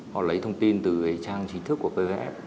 họ lấy thông tin từ trang chính thức của pvf